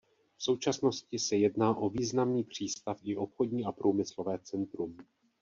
V současnosti se jedná o významný přístav i obchodní a průmyslové centrum.